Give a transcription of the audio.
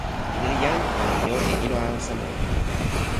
ni li jan. ona li jo e ilo alasa moli.